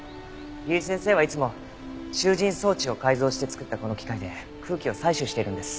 由井先生はいつも集じん装置を改造して作ったこの機械で空気を採取しているんです。